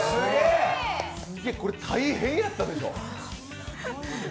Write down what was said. これ、大変やったでしょう！？